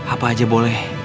apa aja boleh